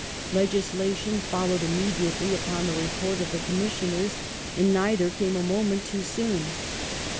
Legislation followed immediately upon the Report of the Com missiojiei s ; and neither came a moment too soon.